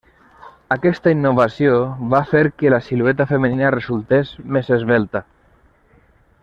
Aquesta innovació va fer que la silueta femenina resultés més esvelta.